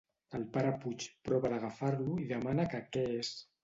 El pare Puig prova d'agafar-lo i demana que què és.